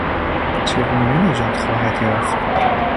چگونه نجات خواهد یافت؟